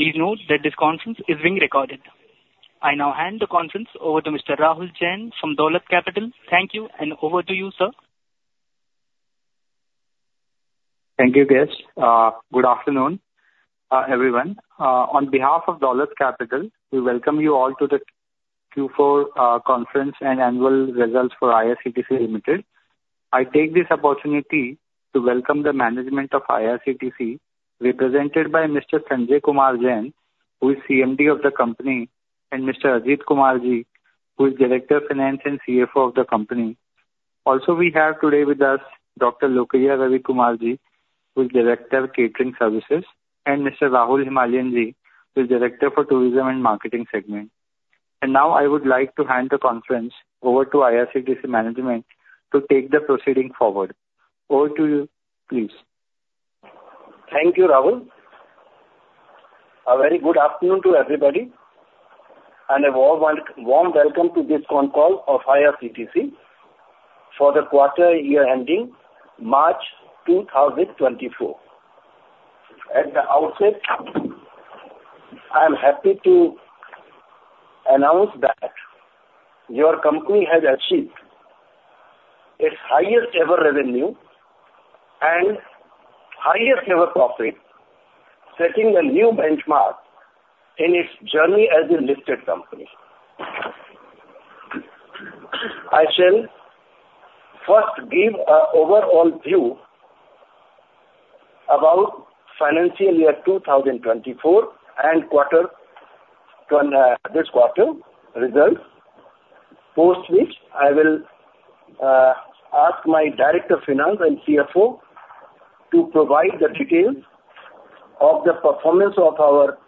...Please note that this conference is being recorded. I now hand the conference over to Mr. Rahul Jain from Dolat Capital. Thank you, and over to you, sir. Thank you, Ganesh. Good afternoon, everyone. On behalf of Dolat Capital, we welcome you all to the Q4 conference and annual results for IRCTC Limited. I take this opportunity to welcome the management of IRCTC, represented by Mr. Sanjay Kumar Jain, who is CMD of the company, and Mr. Ajit Kumar-ji, who is Director of Finance and CFO of the company. Also, we have today with us, Dr. Lokiah Ravikumar-ji, who is Director of Catering Services, and Mr. Rahul Himalian-ji, who is Director for Tourism and Marketing segment. And now I would like to hand the conference over to IRCTC management to take the proceeding forward. Over to you, please. Thank you, Rahul. A very good afternoon to everybody, and a very warm welcome to this conference call of IRCTC for the quarter and year ending March 2024. At the outset, I'm happy to announce that your company has achieved its highest ever revenue and highest ever profit, setting a new benchmark in its journey as a listed company. I shall first give an overall view about financial year 2024 and this quarter results, post which I will ask my Director of Finance and CFO to provide the details of the performance of our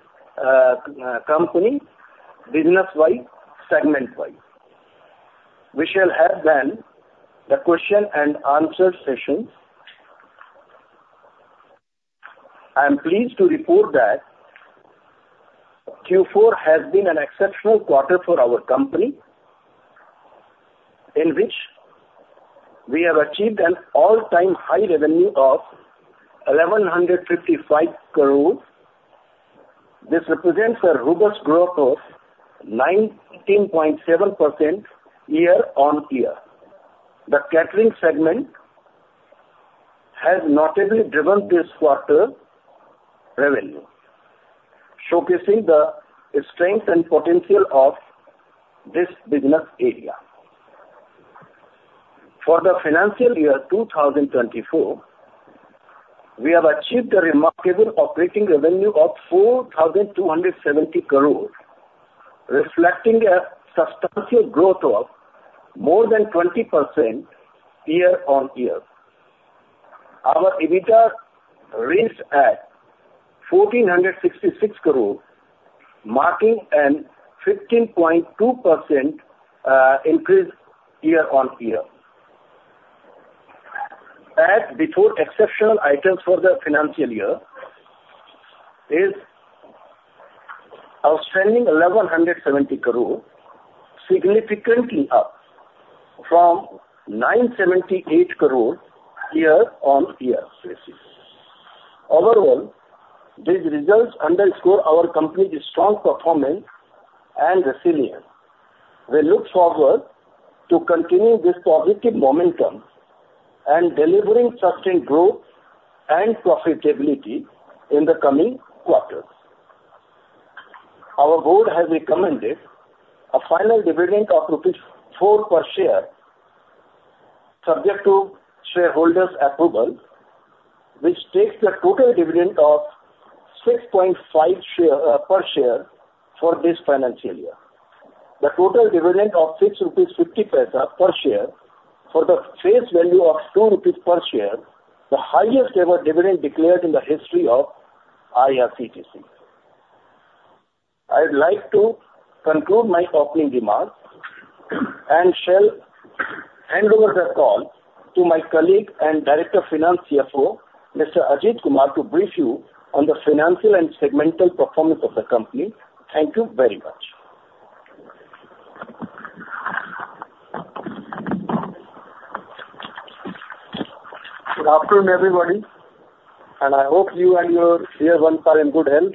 company business-wide, segment-wide. We shall have then the question and answer session. I am pleased to report that Q4 has been an exceptional quarter for our company, in which we have achieved an all-time high revenue of 1,155 crore. This represents a robust growth of 19.7% year-on-year. The catering segment has notably driven this quarter revenue, showcasing the strength and potential of this business area. For the financial year 2024, we have achieved a remarkable operating revenue of 4,270 crore, reflecting a substantial growth of more than 20% year-on-year. Our EBITDA is at 1,466 crore, marking a 15.2% increase year-on-year. As before, exceptional items for the financial year is outstanding 1,170 crore, significantly up from 978 crore year-on-year basis. Overall, these results underscore our company's strong performance and resilience. We look forward to continuing this positive momentum and delivering sustained growth and profitability in the coming quarters. Our board has recommended a final dividend of rupees 4 crore per share, subject to shareholders' approval, which takes the total dividend of 6.5 crore share, per share for this financial year. The total dividend of 6.50 crore rupees per share for the face value of 2 crore rupees per share, the highest ever dividend declared in the history of IRCTC. I'd like to conclude my opening remarks and shall hand over the call to my colleague and Director of Finance CFO, Mr. Ajit Kumar, to brief you on the financial and segmental performance of the company. Thank you very much. Good afternoon, everybody, and I hope you and your dear ones are in good health.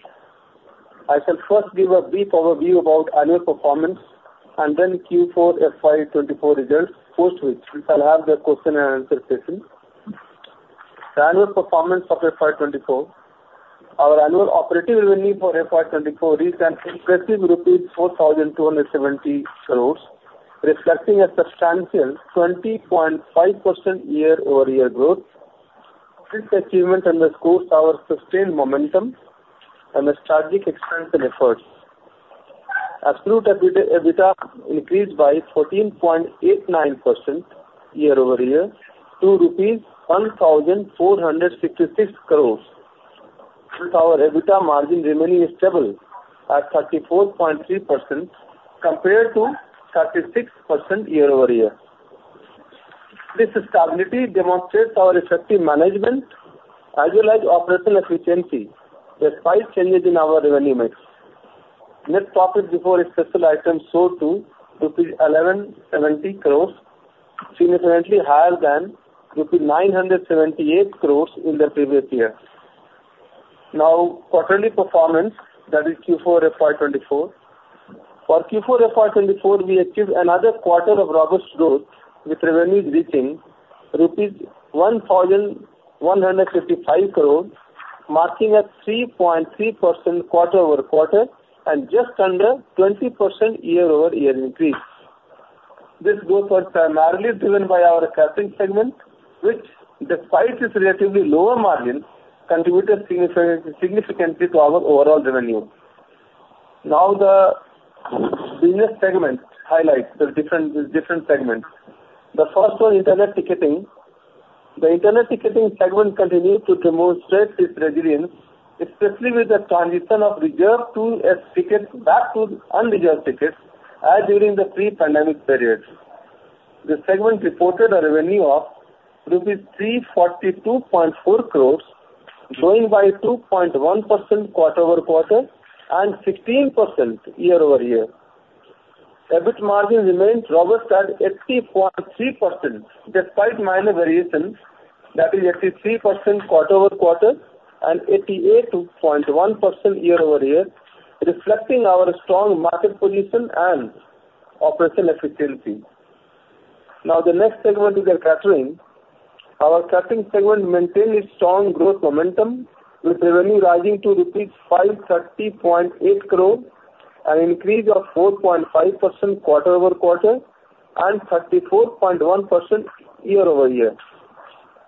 I shall first give a brief overview about annual performance and then Q4 FY 2024 results, post which we shall have the question and answer session. The annual performance of FY 2024. Our annual operating revenue for FY 2024 is an impressive rupees 4,270 crores, reflecting a substantial 20.5% year-over-year growth. This achievement underscores our sustained momentum and strategic expansion efforts. Our absolute EBITDA increased by 14.89% year-over-year to rupees 1,466 crores, with our EBITDA margin remaining stable at 34.3% compared to 36% year-over-year. This stability demonstrates our effective management, as well as operational efficiency, despite changes in our revenue mix. Net profit before a special item soared to INR 1,170 crores, significantly higher than INR 978 crores in the previous year. Now, quarterly performance, that is Q4 FY 2024. For Q4 FY 2024, we achieved another quarter of robust growth, with revenues reaching rupees 1,155 crores, marking a 3.3% quarter-over-quarter and just under 20% year-over-year increase. This growth was primarily driven by our catering segment, which despite its relatively lower margin, contributed significantly to our overall revenue. Now, the business segment highlights the different segments. The first one, internet ticketing. The internet ticketing segment continued to demonstrate its resilience, especially with the transition of reserved to unreserved tickets back to unreserved tickets, as during the pre-pandemic period. The segment reported a revenue of rupees 342.4 crores, growing by 2.1% quarter-over-quarter and 16% year-over-year. EBIT margin remains robust at 80.3%, despite minor variations, that is 83% quarter-over-quarter and 88.1% year-over-year, reflecting our strong market position and operational efficiency. Now, the next segment is the catering. Our catering segment maintained its strong growth momentum, with revenue rising to rupees 530.8 crore, an increase of 4.5% quarter-over-quarter and 34.1% year-over-year.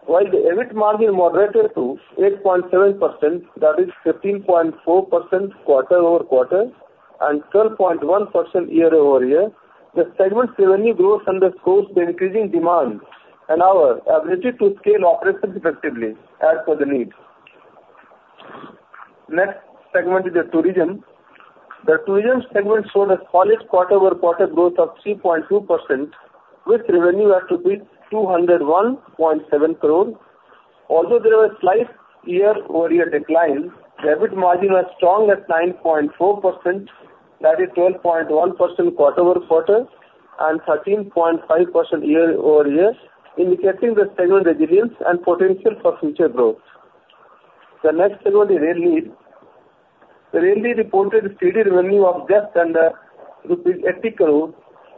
While the EBIT margin moderated to 8.7%, that is 15.4% quarter-over-quarter and 12.1% year-over-year, the segment's revenue growth underscores the increasing demand and our ability to scale operations effectively as per the need. Next segment is the tourism. The tourism segment showed a solid quarter-over-quarter growth of 3.2%, with revenue at 201.7 crore. Although there was slight year-over-year decline, the EBIT margin was strong at 9.4%, that is 12.1% quarter-over-quarter and 13.5% year-over-year, indicating the segment's resilience and potential for future growth. The next segment is Rail Neer. Rail Neer reported steady revenue of just under INR 80 crore,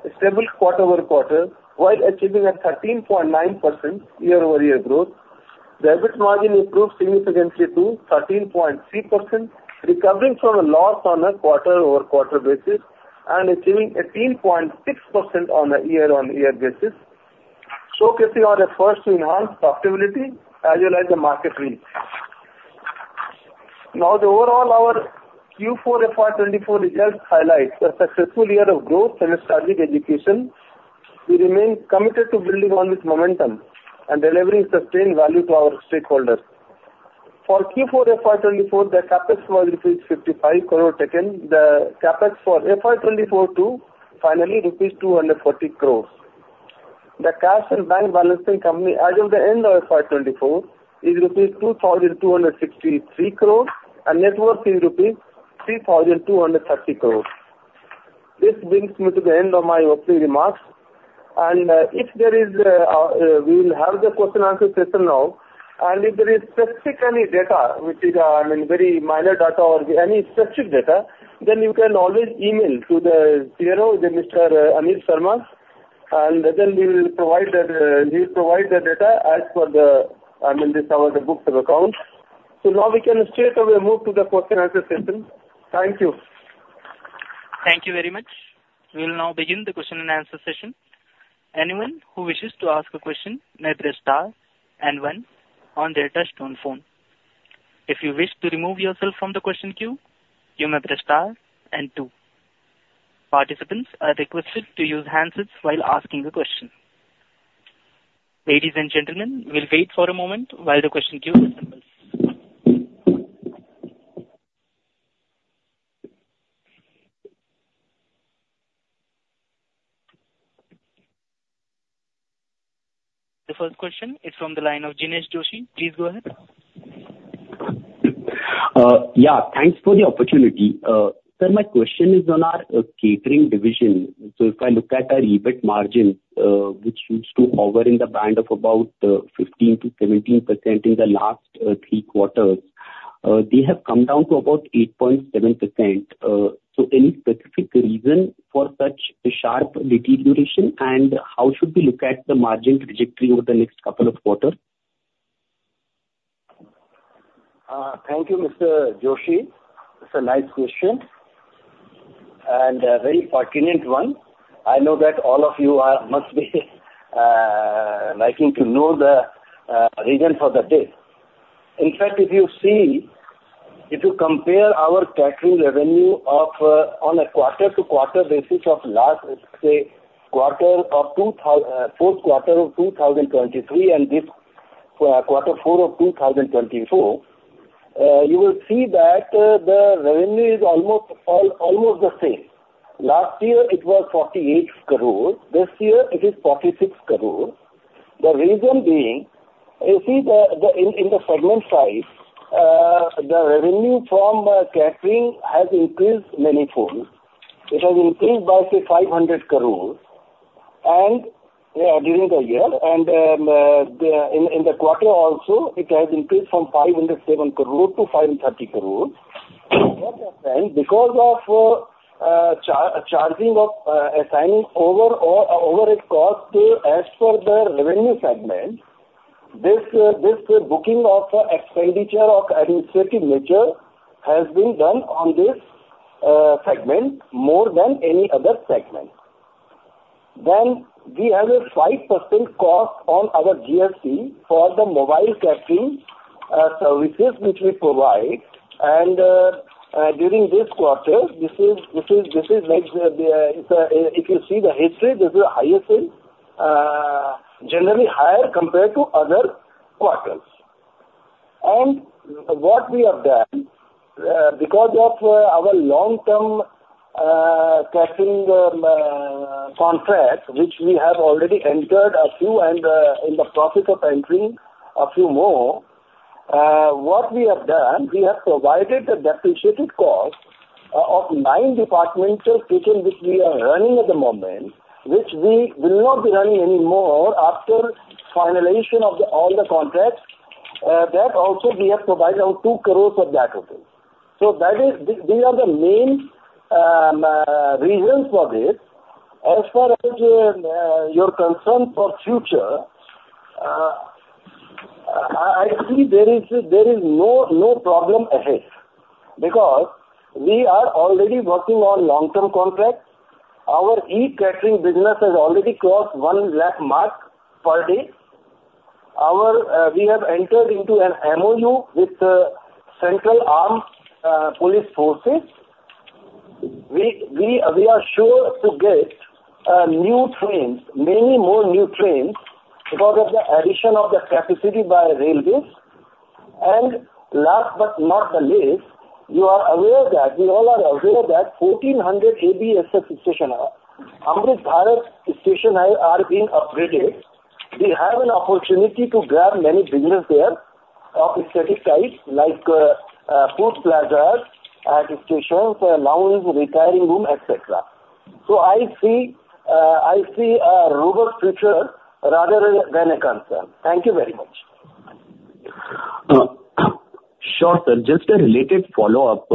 a stable quarter-over-quarter, while achieving a 13.9% year-over-year growth. The EBIT margin improved significantly to 13.3%, recovering from a loss on a quarter-over-quarter basis and achieving 18.6% on a year-over-year basis, showcasing our efforts to enhance profitability as well as the market reach. Now, the overall our Q4 FY 2024 results highlight a successful year of growth and strategic execution. We remain committed to building on this momentum and delivering sustained value to our stakeholders. For Q4 FY 2024, the CapEx was rupees 55 crore taken. The CapEx for FY 2024 to finally rupees 240 crore. The cash and bank balancing company as of the end of FY 2024, is rupees 2,263 crore and net worth is rupees 3,230 crore. This brings me to the end of my opening remarks, and if there is, we will have the question answer session now, and if there is specifically data which is, I mean, very minor data or any specific data, then you can always email to the CRO, the Mr. Anil Sharma, and then we will provide the, we'll provide the data as per our books of accounts. So now we can straightaway move to the question answer session. Thank you. Thank you very much. We will now begin the question and answer session. Anyone who wishes to ask a question may press star and one on their touchtone phone. If you wish to remove yourself from the question queue, you may press star and two. Participants are requested to use handsets while asking the question. Ladies and gentlemen, we'll wait for a moment while the question queue assembles. The first question is from the line of Jinesh Joshi. Please go ahead. Yeah, thanks for the opportunity. Sir, my question is on our catering division. So if I look at our EBIT margin, which used to hover in the band of about 15%-17% in the last three quarters, they have come down to about 8.7%. So any specific reason for such a sharp deterioration? And how should we look at the margin trajectory over the next couple of quarters? Thank you, Mr. Joshi. It's a nice question and a very pertinent one. I know that all of you are must be liking to know the reason for the day. In fact, if you see, if you compare our catering revenue of on a quarter-to-quarter basis of last, say, fourth quarter of 2023 and this quarter four of 2024, you will see that the revenue is almost almost the same. Last year it was 48 crore, this year it is 46 crore. The reason being, you see the, the, in the segment size, the revenue from catering has increased manifold. It has increased by say, 500 crore, and during the year, and in the quarter also, it has increased from 507 crore to 530 crore. Because of charging of assigning over or over its cost, as per the revenue segment, this booking of expenditure of administrative nature has been done on this segment more than any other segment. Then we have a 5% cost on our GST for the mobile catering services which we provide. And during this quarter, this is like the if you see the history, this is the highest rate generally higher compared to other quarters. What we have done, because of our long-term catering contract, which we have already entered a few and in the process of entering a few more, what we have done, we have provided a depreciated cost of 9 departmental kitchens, which we are running at the moment, which we will not be running anymore after finalization of all the contracts. That also we have provided around 2 crore for that, okay. So that is. These are the main reasons for this. As far as your concern for future, I see there is no problem ahead, because we are already working on long-term contracts. Our e-catering business has already crossed 1 lakh mark per day. We have entered into an MoU with the Central Armed Police Forces. We are sure to get new trains, many more new trains, because of the addition of the capacity by railways. And last but not the least, you are aware that we all are aware that 1,400 ABSS stations are Amrit Bharat Stations being upgraded. We have an opportunity to grab many businesses there of static types, like food plazas at stations, lounge, retiring room, et cetera. So I see a robust future rather than a concern. Thank you very much. Sure, sir. Just a related follow-up.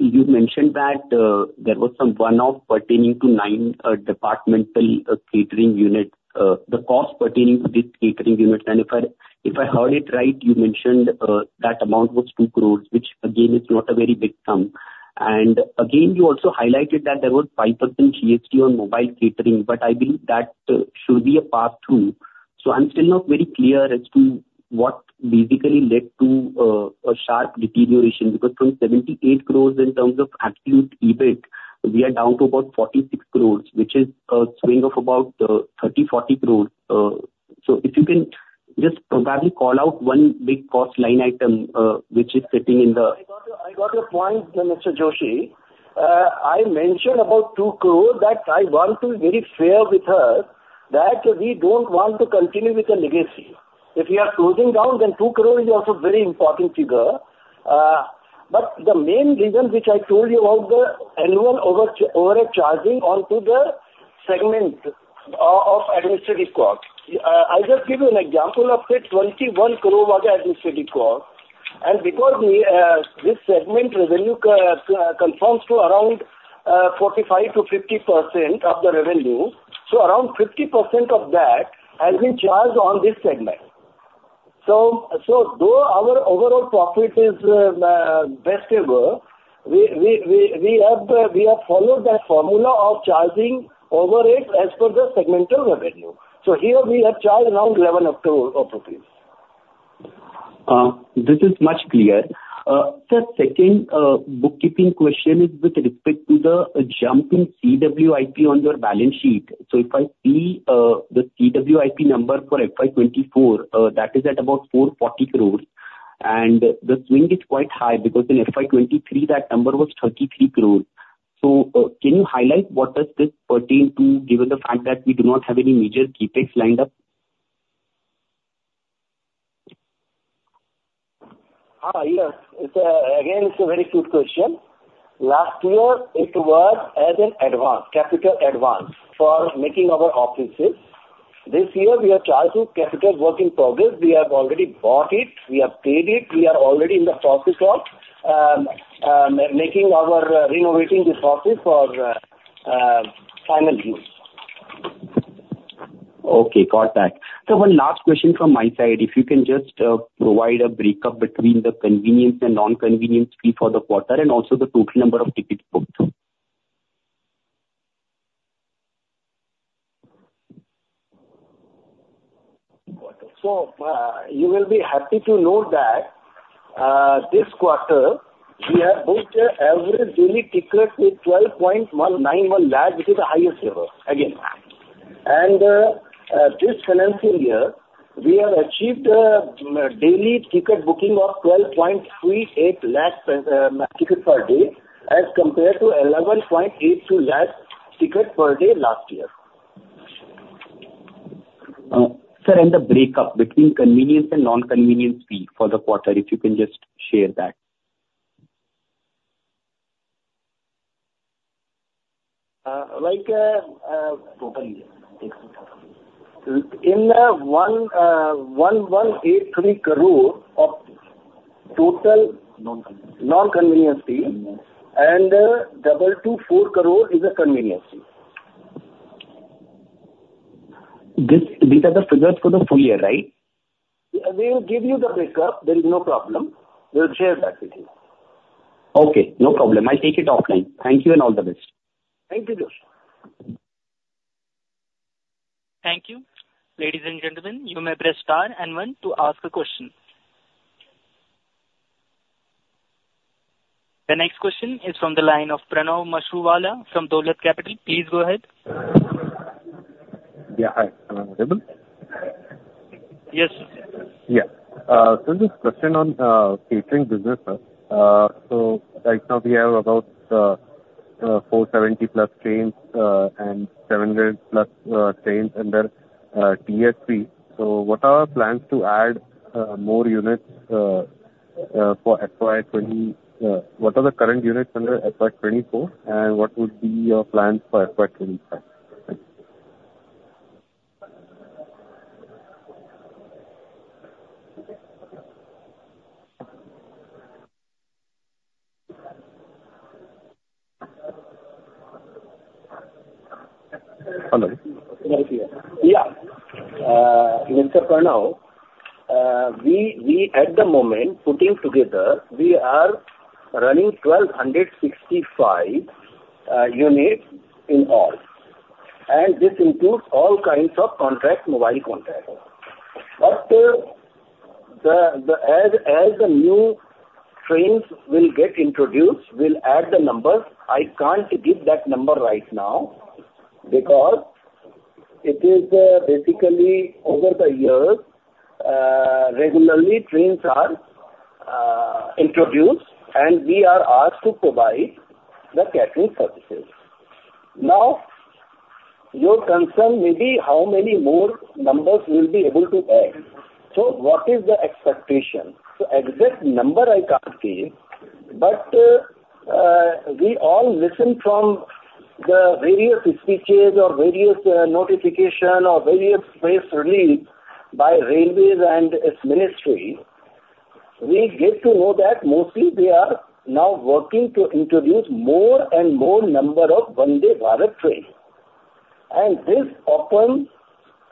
You mentioned that there was some one-off pertaining to nine departmental catering units, the cost pertaining to this catering units, and if I heard it right, you mentioned that amount was 2 crore, which again, is not a very big sum. And again, you also highlighted that there was 5% GST on mobile catering, but I believe that should be a pass-through. So I'm still not very clear as to what basically led to a sharp deterioration, because from 78 crore in terms of absolute EBIT, we are down to about 46 crore, which is a swing of about thirty, forty crores. So if you can just probably call out one big cost line item, which is sitting in the- I got your point, Mr. Joshi. I mentioned about 2 crore, that I want to be very fair with us, that we don't want to continue with the legacy. If we are closing down, then 2 crore is also a very important figure. But the main reason which I told you about the annual overhead charging onto the segment of administrative cost. I'll just give you an example of the 21 crore administrative cost. And because we, this segment revenue, confirms to around, 45%-50% of the revenue, so around 50% of that has been charged on this segment. So though our overall profit is best ever, we have followed that formula of charging over it as per the segmental revenue. Here we have charged around 11 crore approximately. This is much clearer. Sir, second, bookkeeping question is with respect to the jump in CWIP on your balance sheet. So if I see, the CWIP number for FY 2024, that is at about 440 crore, and the swing is quite high, because in FY 2023, that number was 33 crore. So, can you highlight what does this pertain to, given the fact that we do not have any major CapEx lined up? Yes. It's again it's a very good question. Last year, it was as an advance, capital advance for making our offices. This year we are charging capital work in progress. We have already bought it, we have paid it, we are already in the process of renovating this office for final use. Okay, got that. So one last question from my side. If you can just provide a break-up between the convenience and non-convenience fee for the quarter, and also the total number of tickets booked? You will be happy to know that, this quarter we have booked an average daily ticket with INR 12.191 lakh, which is the highest ever, again. This financial year we have achieved daily ticket booking of 12.38 lakh tickets per day, as compared to 11.82 lakh tickets per day last year. Sir, the breakup between convenience and non-convenience fee for the quarter, if you can just share that? Like, in 11,183 crore of total- Non-convenience. Non-convenience fee, and 2 crore-4 crore is a convenience fee. This, these are the figures for the full year, right? We will give you the breakup. There is no problem. We'll share that with you. Okay, no problem. I'll take it offline. Thank you and all the best. Thank you, Joshi. Thank you. Ladies and gentlemen, you may press Star and One to ask a question. The next question is from the line of Pranav Mashruwala from Dolat Capital. Please go ahead. Yeah, hi. Am I audible? Yes. Yeah. So just a question on, catering business, sir. So right now we have about, 470+ trains, and 700+ trains under, TSV. So what are our plans to add, more units? What are the current units under FY 2024, and what would be your plans for FY 2025? Thank you. Hello? Yeah. Mr. Pranav, we at the moment putting together, we are running 1,265 units in all, and this includes all kinds of contract, mobile contract. But, as the new trains will get introduced, we'll add the numbers. I can't give that number right now, because it is basically over the years regularly, trains are introduced, and we are asked to provide the catering services. Now, your concern may be how many more numbers we'll be able to add. So what is the expectation? The exact number I can't give, but we all listen from the various speeches or various notification or various press release by Railways and its ministry. We get to know that mostly they are now working to introduce more and more number of Vande Bharat trains. This opens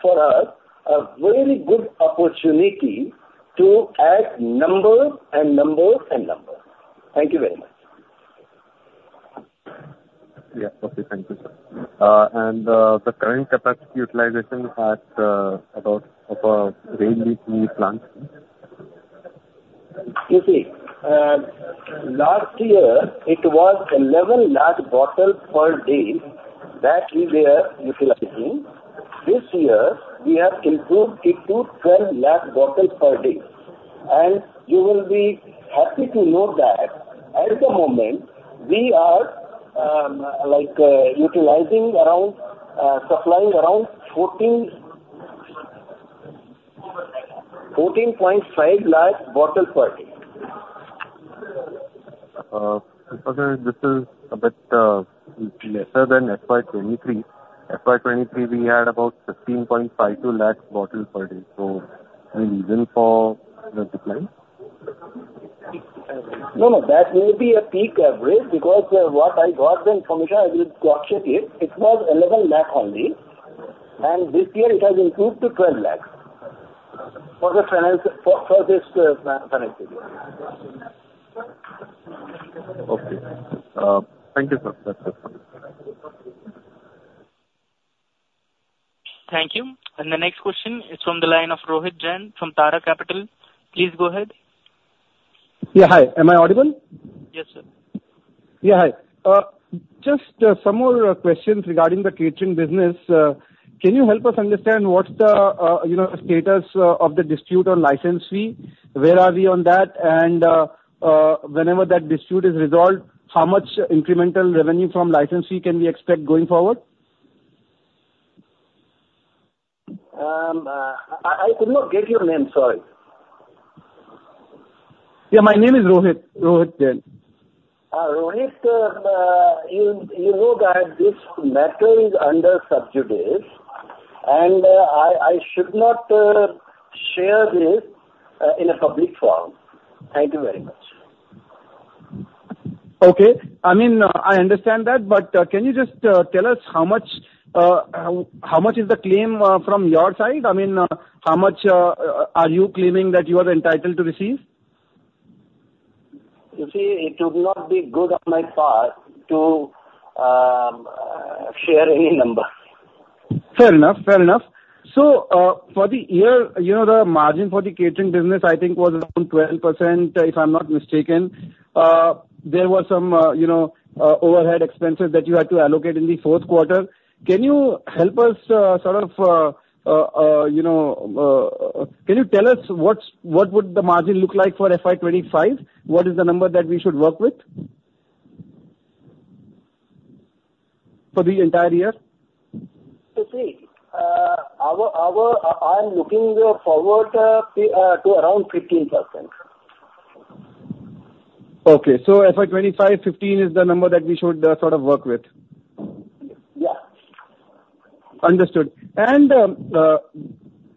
for us a very good opportunity to add numbers and numbers and numbers. Thank you very much. Yeah. Okay, thank you, sir. The current capacity utilization at about of Rail Neer plants? You see, last year it was 11 lakh bottle per day that we were utilizing. This year, we have improved it to 12 lakh bottles per day. You will be happy to know that at the moment, we are, like, utilizing around, supplying around 14 lakh, 14.5 lakh bottles per day. This is a bit lesser than FY 2023. FY 2023, we had about 15.52 lakh bottles per day. So any reason for the decline? No, no, that may be a peak average, because what I got the information, I will cross-check it. It was 11 lakh only, and this year it has improved to 12 lakh for the finance, for this financial year. Okay. Thank you, sir. That's it. Thank you. The next question is from the line of Mohit Jain from Tara Capital. Please go ahead. Yeah, hi. Am I audible? Yes, sir. Yeah, hi. Just some more questions regarding the catering business. Can you help us understand what's the, you know, status of the dispute on license fee? Where are we on that? And whenever that dispute is resolved, how much incremental revenue from license fee can we expect going forward? I could not get your name, sorry. Yeah, my name is Mohit. Mohit Jain. Mohit, you know that this matter is under sub judice, and I should not share this in a public forum. Thank you very much. Okay. I mean, I understand that, but, can you just tell us how much is the claim from your side? I mean, how much are you claiming that you are entitled to receive? You see, it would not be good on my part to share any number. Fair enough. Fair enough. So, for the year, you know, the margin for the catering business, I think, was around 12%, if I'm not mistaken. There were some, you know, overhead expenses that you had to allocate in the fourth quarter. Can you help us, sort of, you know, can you tell us what's, what would the margin look like for FY 2025? What is the number that we should work with? For the entire year. You see, our, I'm looking to around 15%. Okay. So FY 2025, 15% is the number that we should sort of work with? Yeah. Understood. And,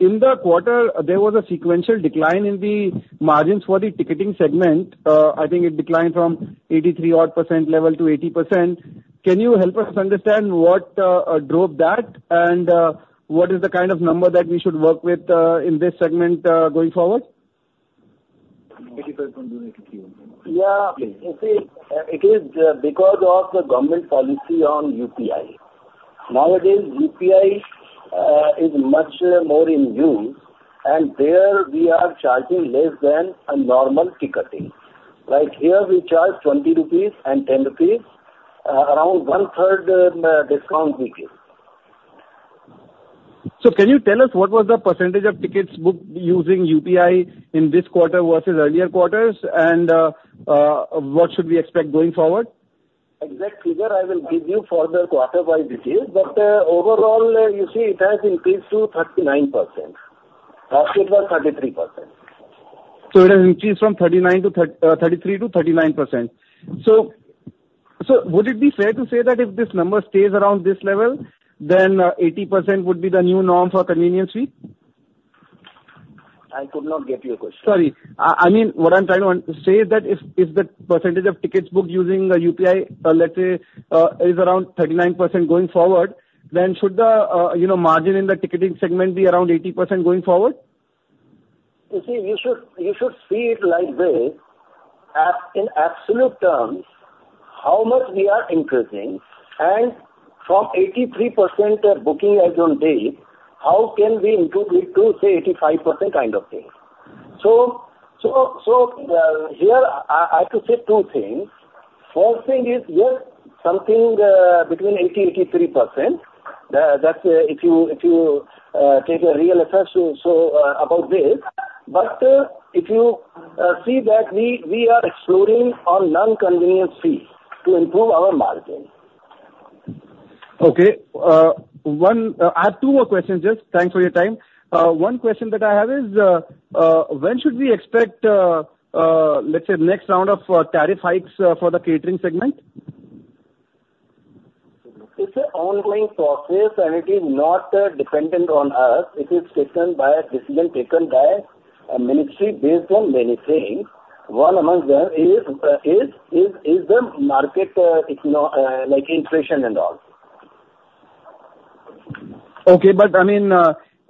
in the quarter, there was a sequential decline in the margins for the ticketing segment. I think it declined from 83% odd percent level to 80%. Can you help us understand what drove that? And, what is the kind of number that we should work with, in this segment, going forward? Yeah. You see, it is because of the government policy on UPI. Nowadays, UPI is much more in use, and there we are charging less than a normal ticketing. Like, here we charge 20 rupees and 10 rupees, around one third discount we give. So can you tell us what was the percentage of tickets booked using UPI in this quarter versus earlier quarters? And, what should we expect going forward? Exact figure I will give you for the quarter-wise details, but, overall, you see, it has increased to 39%. Earlier it was 33%. So it has increased from 33%-39%. So, so would it be fair to say that if this number stays around this level, then, 80% would be the new norm for convenience fee? I could not get your question. Sorry. I mean, what I'm trying to unsay is that if the percentage of tickets booked using UPI, let's say, is around 39% going forward, then should the, you know, margin in the ticketing segment be around 80% going forward? You see, you should see it like this, in absolute terms, how much we are increasing, and from 83% of booking as on date, how can we improve it to, say, 85% kind of thing? So, here I have to say two things. First thing is, yes, something between 80%, 83%, that's if you take a real effort to show about this. But, if you see that we are exploring on non-convenience fee to improve our margin. Okay. I have two more questions, just thanks for your time. One question that I have is, when should we expect, let's say, next round of, tariff hikes, for the catering segment? It's an ongoing process, and it is not dependent on us. It is taken by a decision taken by a ministry based on many things. One amongst them is the market, economic, like inflation and all. Okay, but I mean,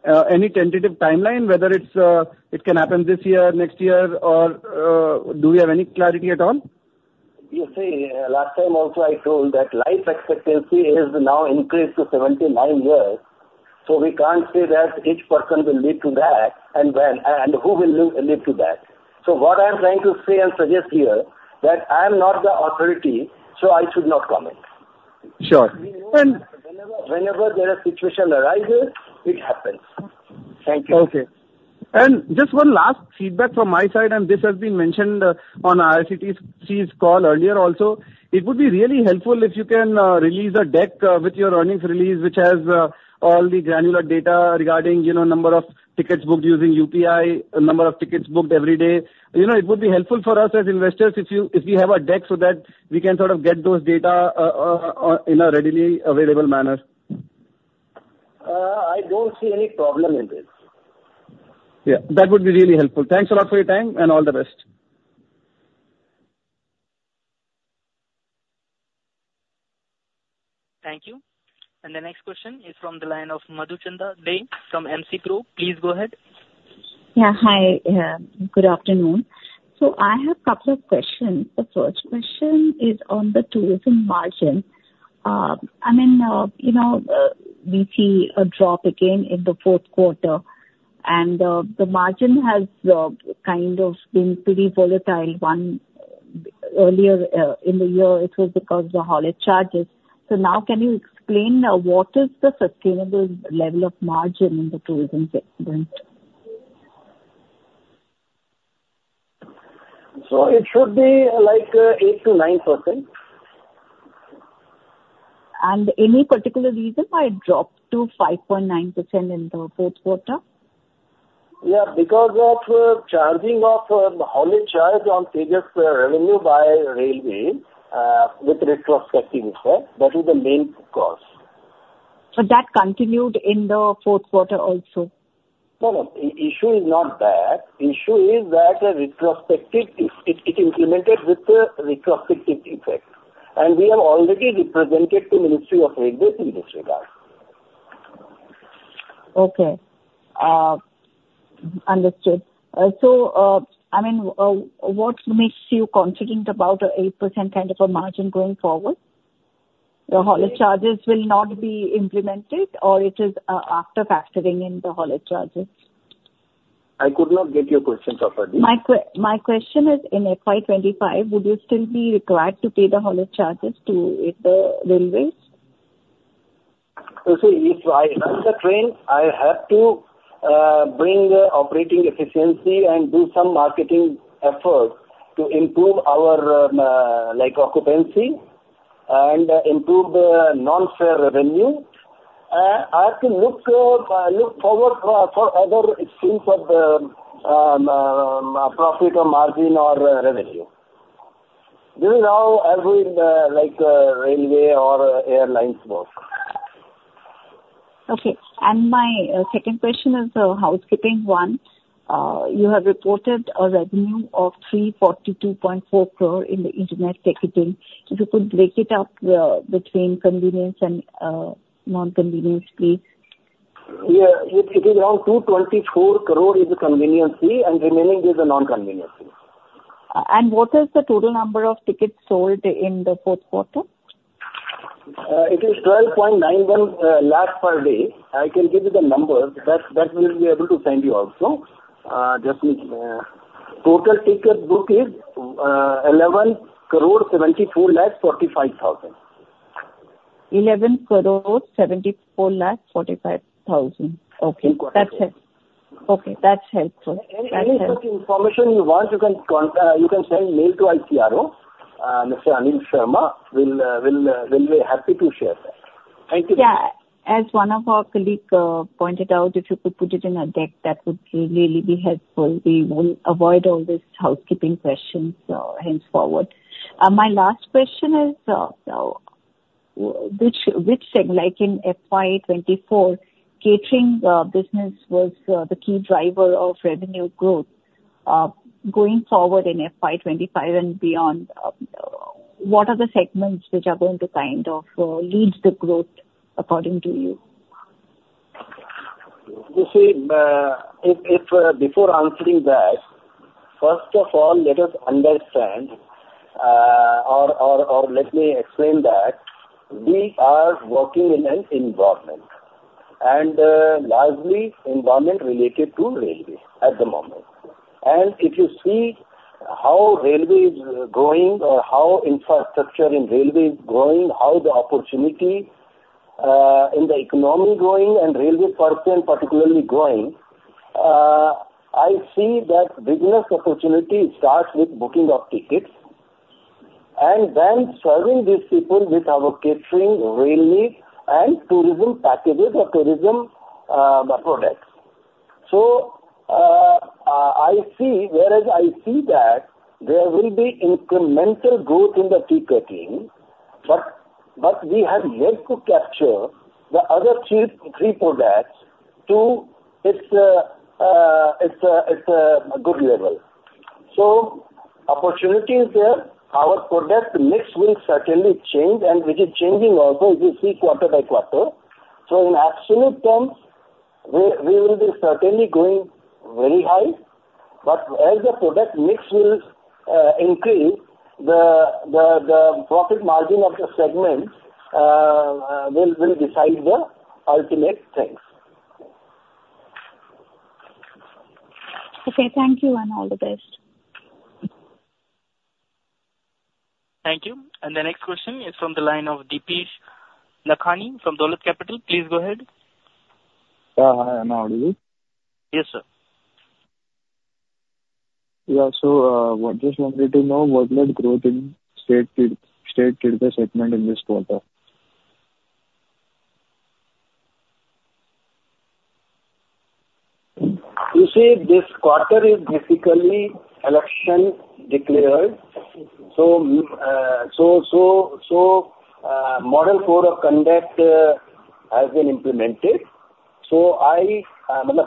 any tentative timeline, whether it's, it can happen this year, next year, or, do we have any clarity at all? You see, last time also I told that life expectancy has now increased to 79 years, so we can't say that each person will live to that, and when, and, and who will live, live to that. So what I'm trying to say and suggest here, that I'm not the authority, so I should not comment. Sure. And- Whenever, whenever there a situation arises, it happens. Thank you. Okay. And just one last feedback from my side, and this has been mentioned on IRCTC's call earlier also. It would be really helpful if you can release a deck with your earnings release, which has all the granular data regarding, you know, number of tickets booked using UPI, number of tickets booked every day. You know, it would be helpful for us as investors if you, if we have a deck so that we can sort of get those data in a readily available manner. I don't see any problem in this. Yeah, that would be really helpful. Thanks a lot for your time and all the best. Thank you. The next question is from the line of Madhuchanda Dey from MC Pro. Please go ahead. Yeah, hi. Good afternoon. So I have couple of questions. The first question is on the tourism margin. I mean, you know, we see a drop again in the fourth quarter, and the margin has kind of been pretty volatile. One, earlier in the year, it was because the haulage charges. So now, can you explain what is the sustainable level of margin in the tourism segment? It should be, like, 8%-9%. Any particular reason why it dropped to 5.9% in the fourth quarter? Yeah, because of charging of the haulage charge on previous revenue by railway with retrospective effect. That is the main cause. So that continued in the fourth quarter also? No, no, the issue is not that. The issue is that it was implemented with retrospective effect, and we have already represented to the Ministry of Railways in this regard. Okay, understood. So, I mean, what makes you confident about a 8% kind of a margin going forward? The haulage charges will not be implemented, or it is after factoring in the haulage charges?... I could not get your question properly. My question is, in FY 2025, would you still be required to pay the haulage charges to Railways? You see, if I run the train, I have to bring operating efficiency and do some marketing efforts to improve our like occupancy and improve the non-fare revenue. I have to look forward for other streams of the profit or margin or revenue. This is how everyone like railway or airlines work. Okay. And my second question is a housekeeping one. You have reported a revenue of 342.4 crore in the internet ticketing. If you could break it up between convenience and non-convenience, please. Yeah. It is around 224 crore is the convenience fee, and remaining is the non-convenience fee. What is the total number of tickets sold in the fourth quarter? It is 12.91 lakhs per day. I can give you the numbers. That, that we'll be able to send you also. Just need... Total ticket booked is 11 crore, 74 lakhs, 45,000 crore. 11 crore, 74 lakhs 45,000 crore Correct. Okay, that's helpful. Okay, that's helpful. Any such information you want, you can send mail to IRCTC, Mr. Anil Sharma. We'll be happy to share that. Thank you. Yeah. As one of our colleague pointed out, if you could put it in a deck, that would really be helpful. We will avoid all these housekeeping questions henceforward. My last question is, which segment, like in FY 2024, catering business was the key driver of revenue growth. Going forward in FY 2025 and beyond, what are the segments which are going to kind of lead the growth according to you? You see, if, if, before answering that, first of all, let us understand, or let me explain that we are working in an environment, and largely environment related to railway at the moment. And if you see how railway is growing or how infrastructure in railway is growing, how the opportunity in the economy growing and railway portion particularly growing, I see that business opportunity starts with booking of tickets, and then serving these people with our catering railway and tourism packages or tourism products. So, I see, whereas I see that there will be incremental growth in the ticketing, but we have yet to capture the other three products to its good level. So opportunity is there. Our product mix will certainly change, and which is changing also, you see quarter by quarter. So in absolute terms, we will be certainly growing very high, but as the product mix will increase, the profit margin of the segment will decide the ultimate things. Okay. Thank you and all the best. Thank you. The next question is from the line of Deepesh Lakhani from Dolat Capital. Please go ahead. Hi, I'm audible? Yes, sir. Yeah. So, I just wanted to know what net growth in State Teertha segment in this quarter? You see, this quarter is basically election declared. So, model code of conduct has been implemented. So I,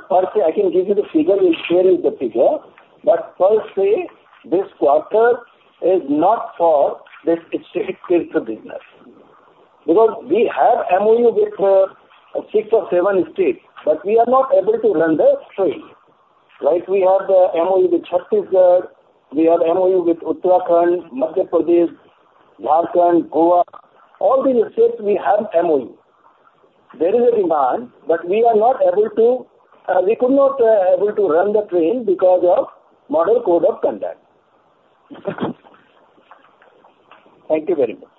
per se, I can give you the figure, we'll share you the figure, but per se, this quarter is not for this State Teertha business. Because we have MoU with six or seven states, but we are not able to run the train. Like we have the MoU with Chhattisgarh, we have MoU with Uttarakhand, Madhya Pradesh, Jharkhand, Goa, all these states we have MoU. There is a demand, but we are not able to, we could not able to run the train because of model code of conduct. Thank you very much.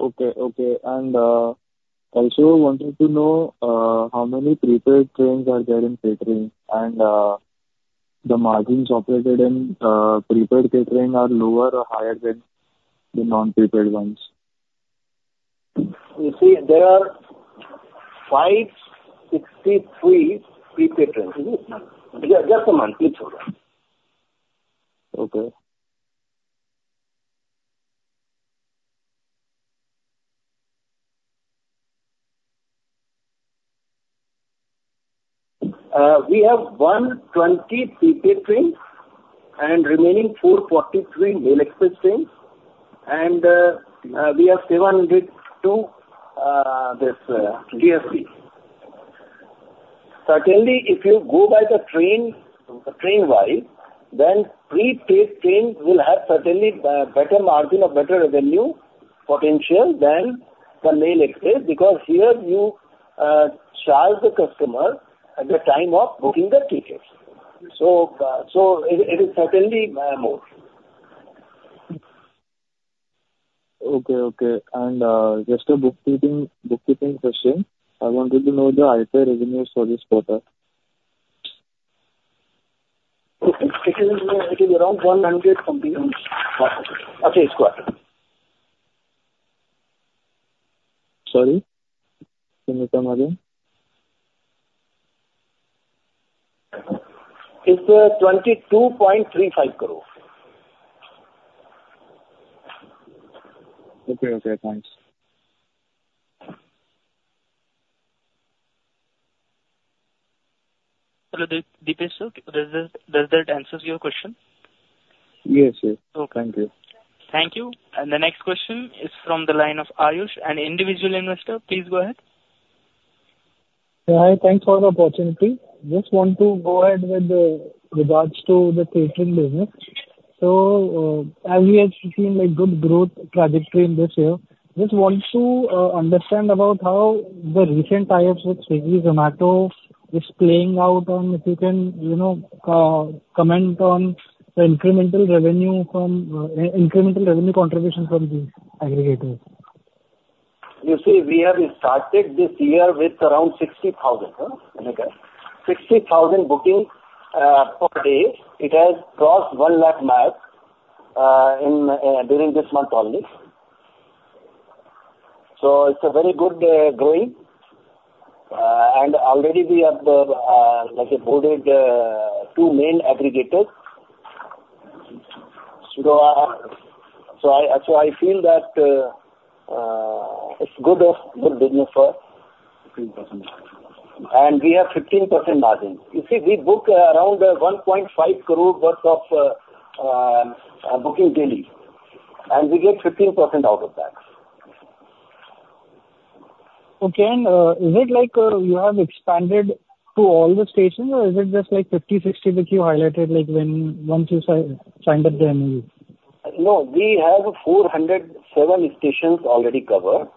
Okay, okay. And also wanted to know how many prepaid trains are there in catering, and the margins operated in prepaid catering are lower or higher than the non-prepaid ones? You see, there are 563 prepaid trains, isn't it? Just a month, please hold on. Okay. We have 120 prepaid trains, and remaining 443 mail express trains. And we have 702 this e-catering. Certainly, if you go by the train, train-wise, then pre-paid train will have certainly better margin or better revenue potential than the mail express, because here you charge the customer at the time of booking the tickets. So it is certainly more. Okay, okay. And, just a bookkeeping, bookkeeping question. I wanted to know the iPay revenues for this quarter. Okay. It is around 100 something, okay, quarter. Sorry, can you come again? It's INR 22.35 crore. Okay, okay, thanks. Hello, Deepesh, sir, does that answer your question? Yes, yes. Okay. Thank you. Thank you. And the next question is from the line of Ayush, an individual investor. Please go ahead. Hi, thanks for the opportunity. Just want to go ahead with regards to the catering business. So, as we have seen a good growth trajectory in this year, just want to understand about how the recent tie-ups with Swiggy, Zomato is playing out on, if you can, you know, comment on the incremental revenue from incremental revenue contribution from these aggregators. You see, we have started this year with around 60,000, okay? 60,000 bookings per day. It has crossed 100,000 mark during this month only. So it's a very good growing. And already we have, like I boarded, 2 main aggregators. So, so I, so I feel that, it's good, a good business for- Fifteen percent. We have 15% margin. You see, we book around 1.5 crore worth of booking daily, and we get 15% out of that. Okay. And, is it like you have expanded to all the stations, or is it just like 50, 60 that you highlighted, like once you signed up the MoU? No, we have 407 stations already covered.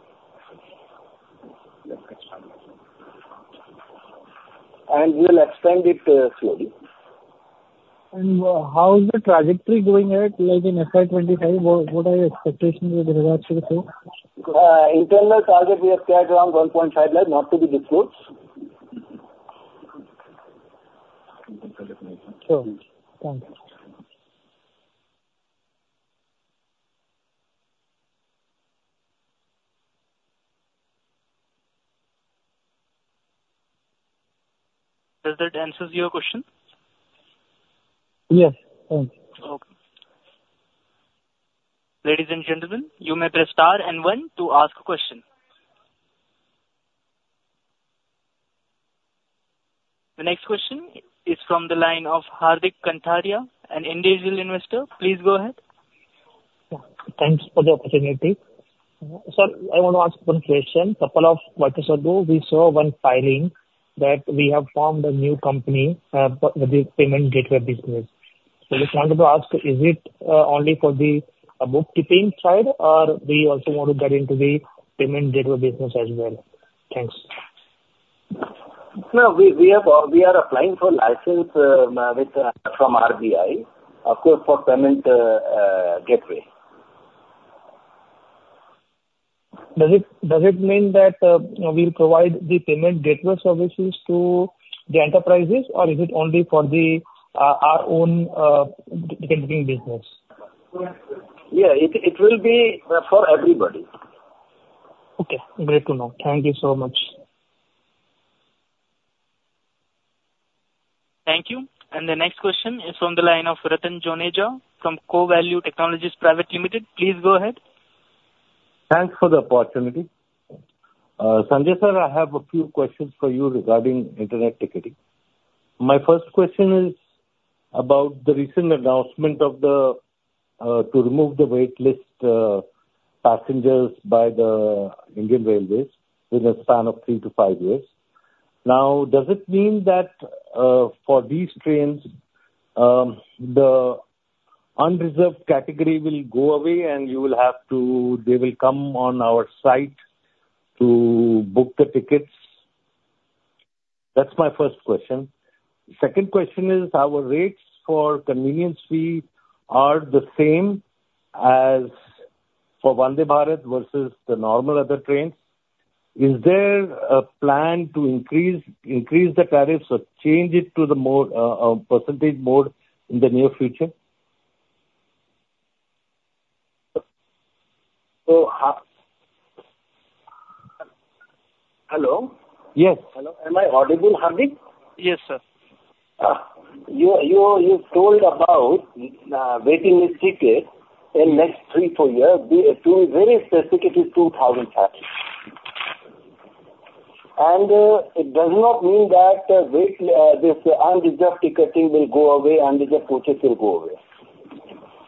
We will expand it, slowly. How is the trajectory going ahead, like in FY 2025? What are your expectations with regards to the growth? Internal target, we have set around 1.5 lakh, not to be disclosed. Sure. Thank you. Does that answer your question? Yes, thanks. Okay. Ladies and gentlemen, you may press Star and One to ask a question. The next question is from the line of Hardik Kantaria, an individual investor. Please go ahead. Thanks for the opportunity. Sir, I want to ask one question. Couple of quarters ago, we saw one filing that we have formed a new company for the payment gateway business. So I just wanted to ask, is it only for the bookkeeping side, or we also want to get into the payment gateway business as well? Thanks. No, we are applying for license from RBI, of course, for payment gateway. Does it mean that we'll provide the payment gateway services to the enterprises, or is it only for our own catering business? Yeah, it will be for everybody. Okay, great to know. Thank you so much. Thank you. The next question is from the line of Ratan Joneja, from CoValue Technologies Private Limited. Please go ahead. Thanks for the opportunity. Sanjay, sir, I have a few questions for you regarding internet ticketing. My first question is about the recent announcement of the to remove the wait list passengers by the Indian Railways in a span of three to five years. Now, does it mean that for these trains the unreserved category will go away, and you will have to... They will come on our site to book the tickets? That's my first question. Second question is, our rates for convenience fee are the same as for Vande Bharat versus the normal other trains. Is there a plan to increase, increase the tariffs or change it to the more percentage more in the near future? Hello? Yes. Hello, am I audible, Hardik? Yes, sir. You told about waiting list tickets in next three to four years. It will be very specific, is 2,000 passengers. And it does not mean that this unreserved ticketing will go away, unreserved purchase will go away....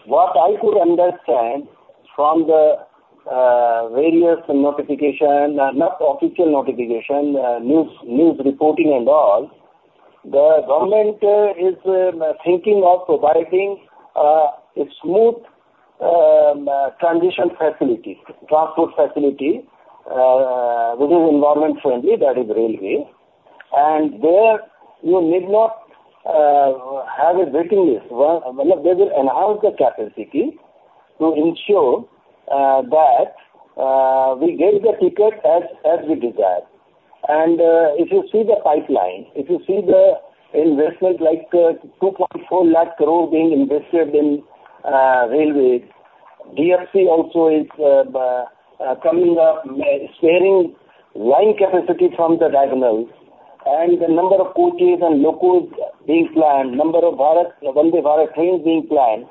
What I could understand from the various notification, not official notification, news reporting and all, the government is thinking of providing a smooth transition facility, transport facility, which is environment friendly, that is railway. And there you need not have a waiting list. Well, they will enhance the capacity to ensure that we get the ticket as we desire. If you see the pipeline, if you see the investment, like, 2.4 lakh crore being invested in railways, DFC also is coming up, sharing line capacity from the diagonals and the number of coaches and locals being planned, number of Bharat, Vande Bharat trains being planned.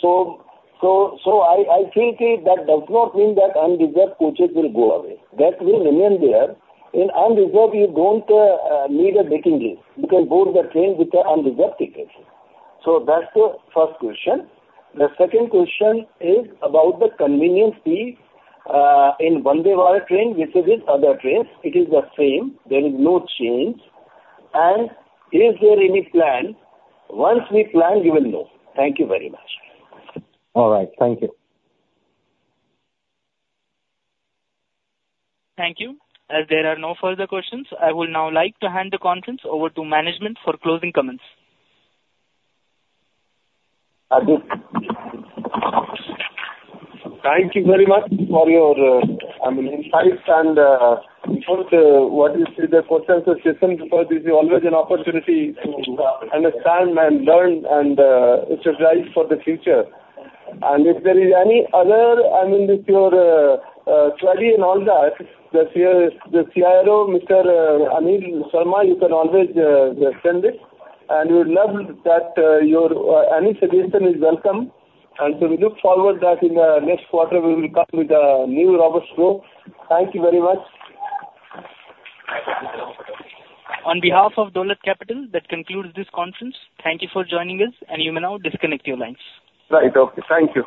So I think that does not mean that unreserved coaches will go away. That will remain there. In unreserved, you don't need a waiting list. You can board the train with the unreserved tickets. So that's the first question. The second question is about the convenience fee in Vande Bharat train versus other trains. It is the same. There is no change. And is there any plan? Once we plan, you will know. Thank you very much. All right. Thank you. Thank you. As there are no further questions, I would now like to hand the conference over to management for closing comments. Thank you very much for your, I mean, insights and, what you see the questions are concerned, because this is always an opportunity to understand and learn and, it's a guide for the future. And if there is any other, I mean, if you're, study and all that, the CRO, Mr. Anil Sharma, you can always, send it, and we would love that, your any suggestion is welcome, and so we look forward that in the next quarter, we will come with a new robust flow. Thank you very much. On behalf of Dolat Capital, that concludes this conference. Thank you for joining us, and you may now disconnect your lines. Right. Okay. Thank you.